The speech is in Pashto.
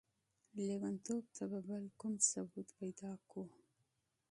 ليونتوب ته به بل کوم ثبوت پيدا کړو؟!